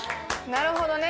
なるほどね。